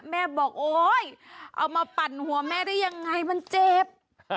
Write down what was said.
แม่บอกโอ๊ยเอามาปั่นหัวแม่ได้ยังไงมันเจ็บ